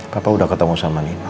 papa udah ketemu sama nino